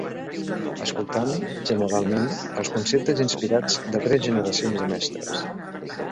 ...escoltant, generalment, els conceptes inspirats de tres generacions de mestres